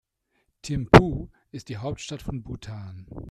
Thimphu ist die Hauptstadt von Bhutan.